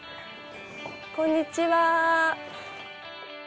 こんにちは。